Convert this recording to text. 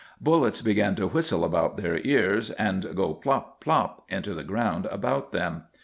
Bullets began to whistle about their ears and to go plop! plop! into the ground about them.